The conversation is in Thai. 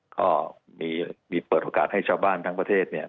ก็มีเปิดโอกาสให้ชาวบ้านทั้งประเทศเนี่ย